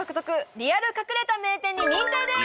リアル隠れた名店に認定です！